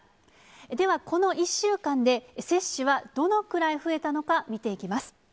では、この１週間で、接種はどのくらい増えたのか、見ていきます。